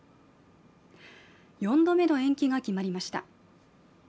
４度目の延期が決まりました。